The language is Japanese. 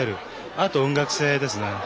あと音楽性ですね。